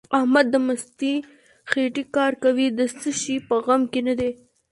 احمد د مستې خېټې کار کوي؛ د څه شي په غم کې نه دی.